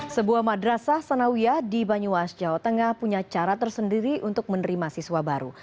sebuah madrasah sanawiyah di banyumas jawa tengah punya cara tersendiri untuk menerima siswa baru